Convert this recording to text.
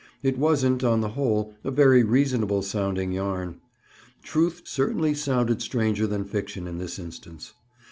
It wasn't, on the whole, a very reasonable sounding yarn. Truth certainly sounded stranger than fiction in this instance.